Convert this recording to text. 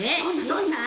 どんな？